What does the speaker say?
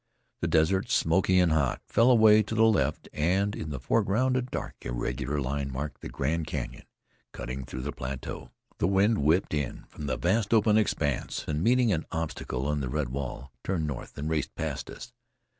The desert, smoky and hot, fell away to the left, and in the foreground a dark, irregular line marked the Grand Canyon cutting through the plateau. The wind whipped in from the vast, open expanse, and meeting an obstacle in the red wall, turned north and raced past us.